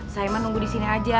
saya mah nunggu disini aja